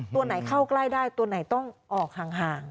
ตัวไหนเข้าใกล้ได้ตัวไหนต้องออกห่าง